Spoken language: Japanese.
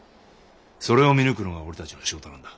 それを見抜くのが俺達の仕事なんだ。